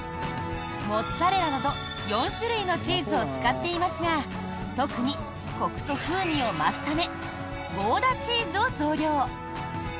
モッツァレラなど４種類のチーズを使っていますが特にコクと風味を増すためゴーダチーズを増量。